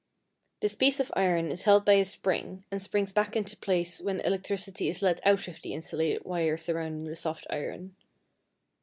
This piece of iron is held by a spring, and springs back into place when electricity is let out of the insulated wire surrounding the soft iron.